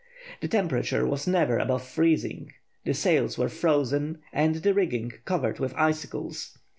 The temperature was never above freezing, the sails were frozen and the rigging covered with icicles.